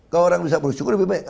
kalau orang bisa bersyukur lebih baik